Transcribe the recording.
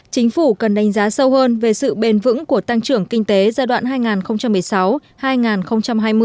chính phủ cần đánh giá sâu hơn về sự bền vững của tăng trưởng kinh tế giai đoạn hai nghìn một mươi sáu hai nghìn hai mươi